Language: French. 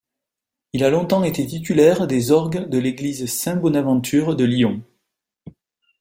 Il a longtemps été titulaire des orgues de l’église Saint-Bonaventure de Lyon.